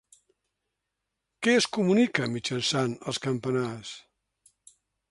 Què es comunica mitjançant els campanars?